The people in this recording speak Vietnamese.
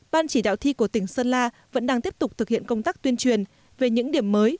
ban chỉ đạo thi của tỉnh sơn la vẫn đang tiếp tục thực hiện công tác tuyên truyền về những điểm mới